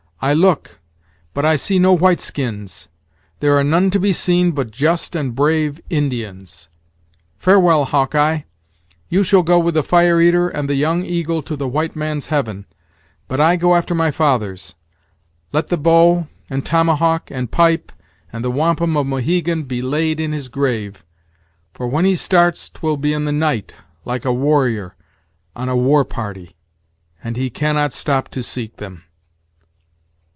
I look but I see no white skins; there are none to be seen but just and brave Indians. Farewell, Hawk eye you shall go with the Fire eater and the Young Eagle to the white man's heaven; but I go after my fathers. Let the bow, and tomahawk, and pipe, and the wampum of Mohegan he laid in his grave; for when he starts 'twil be in the night, like a warrior on a war party, and he can not stop to seek them."